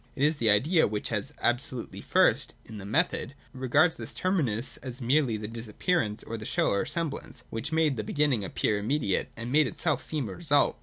It is the idea which, as absolutely first (in the method), regards this terminus as merely the disappearance of the show or semblance, which made the beginning appear immediate, and made itself seem a result.